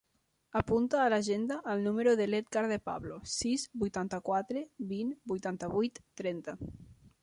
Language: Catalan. Apunta a l'agenda el número de l'Edgar De Pablo: sis, vuitanta-quatre, vint, vuitanta-vuit, trenta.